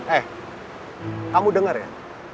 eh kamu denger ya